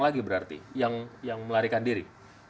lagi berarti yang melarikan diri